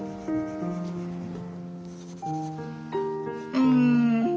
うん。